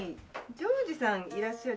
ジョージさんいらっしゃる。